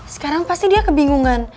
sekarang pasti dia kebingungan